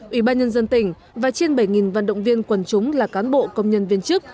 ủy ban nhân dân tỉnh và trên bảy vận động viên quần chúng là cán bộ công nhân viên chức